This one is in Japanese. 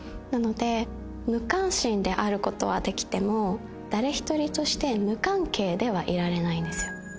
なので無関心であることはできても誰一人として無関係ではいられないんですよ。